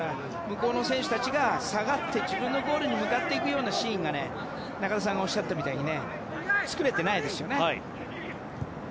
向こうの選手たちが下がって自分のゴールに向かっていくようなシーンが作れてないですよね。